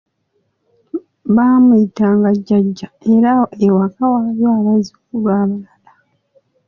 Baamuyitanga 'jjajja' era ewaka waaliwo abazzukulu abalala.